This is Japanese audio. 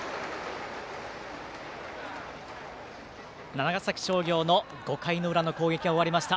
長崎商業の５回の裏の攻撃が終わりました。